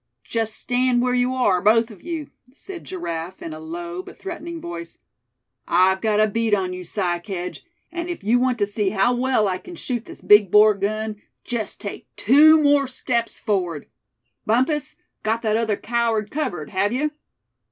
"Just stand where you are, both of you!" said Giraffe, in a low but threatening voice. "I've got a bead on you, Si Kedge, and if you want to see how well I can shoot this big bore gun, just take two more steps forward. Bumpus, got that other coward covered, have you?"